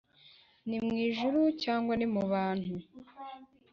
ni mu ijuru cyangwa ni mu bantu?